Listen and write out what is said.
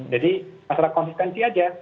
jadi masalah konsistensi aja